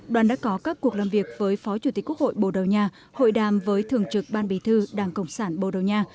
đoàn đã có các cuộc làm việc với phó chủ tịch quốc hội bồ đầu nha hội đàm với thường trực ban bì thư đảng cộng sản bồ đầu nha